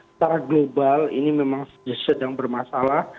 secara global ini memang sedang bermasalah